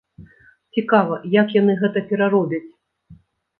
Цікава, як яны гэта пераробяць.